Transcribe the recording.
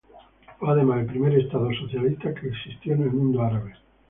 Fue, además, el primer Estado socialista que existió en el mundo árabe.